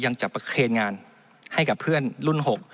ยังจะประเคนงานให้กับเพื่อนรุ่น๖